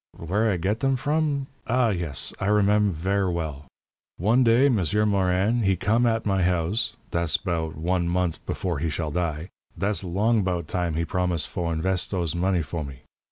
Where I get them from? Ah, yes, I remem' ver' well. One day M'sieur Morin, he come at my houze thass 'bout one mont' before he shall die thass 'long 'bout tam he promise fo' inves' those money fo' me.